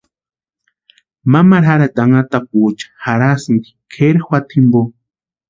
Mamaru jarhati anhatapuecha jarhasti kʼeri juata jimpo.